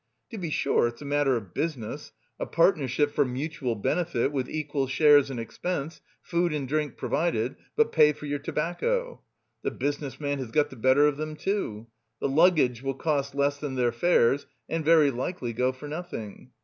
To be sure it's a matter of business, a partnership for mutual benefit, with equal shares and expenses; food and drink provided, but pay for your tobacco. The business man has got the better of them, too. The luggage will cost less than their fares and very likely go for nothing.